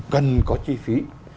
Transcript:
cần có chi phí